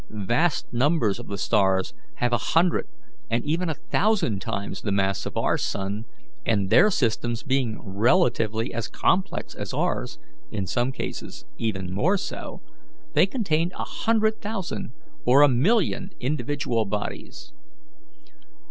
Vast numbers of the stars have a hundred and even a thousand times the mass of our sun, and their systems being relatively as complex as ours in some cases even more so they contain a hundred thousand or a million individual bodies.